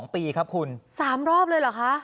๒ปีครับคุณ๓รอบเลยเหรอคะ